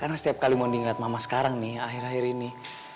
karena setiap kali mau dinyat mama sekarang nih akhir akhir ini